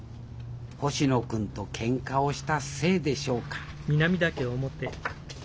星野君とケンカをしたせいでしょうかのぞみ！